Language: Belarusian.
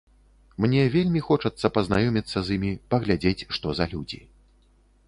Мне вельмі хочацца пазнаёміцца з імі, паглядзець, што за людзі.